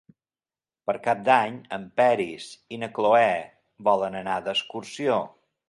Per Cap d'Any en Peris i na Cloè volen anar d'excursió.